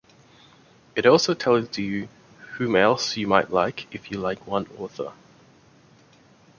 It also tells you whom else you might like if you like one author.